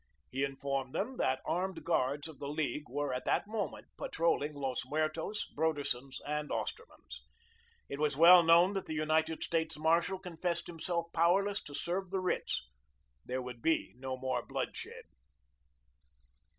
He informed them that armed guards of the League were, at that moment, patrolling Los Muertos, Broderson's, and Osterman's. It was well known that the United States marshal confessed himself powerless to serve the writs. There would be no more bloodshed.